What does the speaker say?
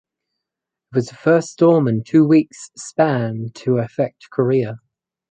It was the first storm in two weeks span to affect Korea.